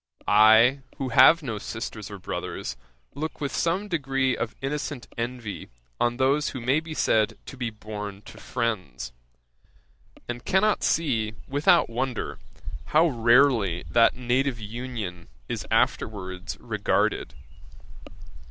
I, who have no sisters nor brothers, look with some degree of innocent envy on those who may be said to be born to friends; and cannot see, without wonder, how rarely that native union is afterwards regarded.